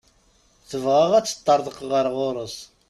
Tebɣa ad teṭṭerḍeq ɣer ɣur-s.